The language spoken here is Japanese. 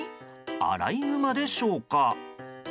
アライグマでしょうか。